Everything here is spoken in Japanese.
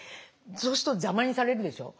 そうすると邪魔にされるでしょ。